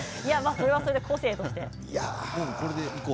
それはそれで個性として。